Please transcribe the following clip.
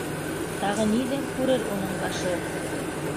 Тағы ниҙәр күрер уның башы!